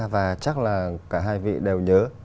và chắc là cả hai vị đều nhớ